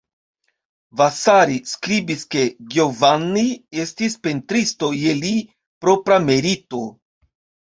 Vasari skribis ke Giovanni estis pentristo je li propra merito.